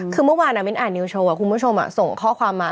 คือเมื่อวานมิ้นอ่านนิวโชว์คุณผู้ชมส่งข้อความมา